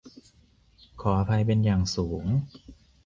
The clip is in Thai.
ขออภัยเป็นอย่างสูง